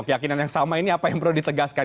keyakinan yang sama ini apa yang perlu ditegaskan